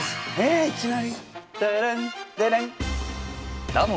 えいきなり？